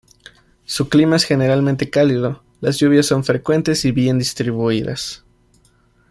Su clima es generalmente cálido, las lluvias son frecuentes y bien distribuidas.